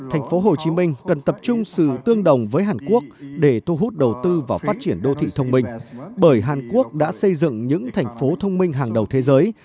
thành phố hồ chí minh cần tập trung sự tương đồng với hàn quốc để thu hút đầu tư vào phát triển đô thị thông minh bởi hàn quốc đã xây dựng những thành phố thông minh hàng đầu thế giới